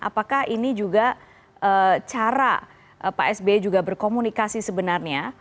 apakah ini juga cara pak sby juga berkomunikasi sebenarnya